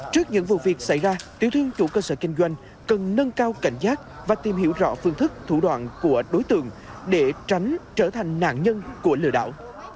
trước những vụ việc xảy ra tiểu thương chủ cơ sở kinh doanh cần nâng cao cảnh giác và tìm hiểu rõ phương thức thủ đoạn của đối tượng để tránh trở thành nạn nhân của lừa đảo